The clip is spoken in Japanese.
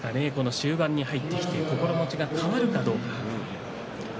終盤に入ってきて心持ちが変わるかどうか。